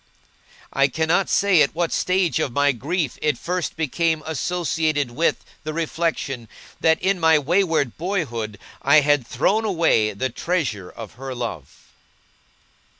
I cannot say at what stage of my grief it first became associated with the reflection, that, in my wayward boyhood, I had thrown away the treasure of her love.